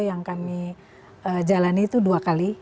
yang kami jalani itu dua kali